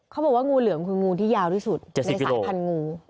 เขาบอกว่างูเหลือมคืองูที่ยาวที่สุดในสายพันธุงู